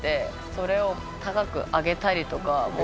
それを高く上げたりとか。